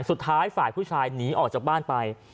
สุดท้ายฝ่ายผู้ชายหนีออกจากบ้านไป